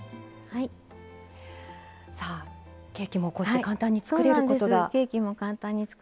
ケーキもこうして簡単に作ることが。